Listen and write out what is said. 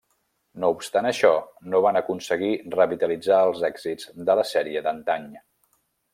No obstant això, no van aconseguir revitalitzar els èxits de la sèrie d'antany.